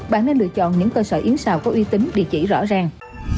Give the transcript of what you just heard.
bạn nên lựa chọn những cơ sở yến xào có uy tín địa chỉ rõ ràng